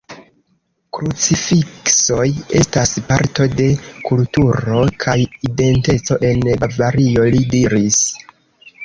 Krucifiksoj estas parto de kulturo kaj identeco en Bavario, li diris.